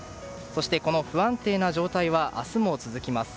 そしてこの不安定な状態は明日も続きます。